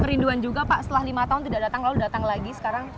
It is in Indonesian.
kerinduan juga pak setelah lima tahun tidak datang lalu datang lagi sekarang